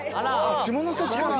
下関から？